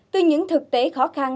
từ những thực tế khó khăn